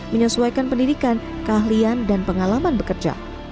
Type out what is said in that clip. menyesuaikan pendidikan keahlian dan pengalaman bekerja